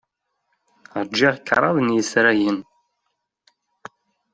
Ṛjiɣ kraḍ n yisragen.